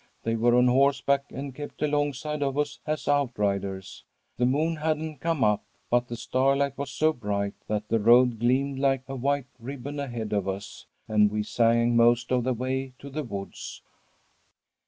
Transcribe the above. They were on horseback and kept alongside of us as outriders. The moon hadn't come up, but the starlight was so bright that the road gleamed like a white ribbon ahead of us, and we sang most of the way to the woods.